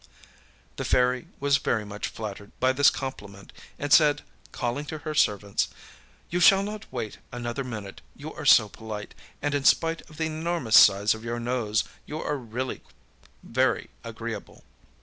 â The Fairy was very much flattered by this compliment, and said, calling to her servants: âYou shall not wait another minute, you are so polite, and in spite of the enormous size of your nose you are really very agreeable.